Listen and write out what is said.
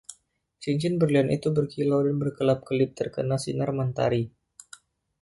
Cincin berlian itu berkilau dan berkelap-kelip terkena sinar mentari.